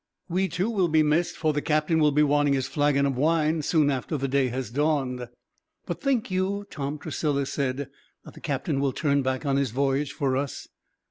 We, too, will be missed, for the captain will be wanting his flagon of wine, soon after the day has dawned." "But think you," Tom Tressilis said, "that the captain will turn back on his voyage, for us?"